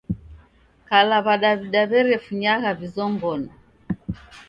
Kala w'adaw'da w'erefunyagha vizongona.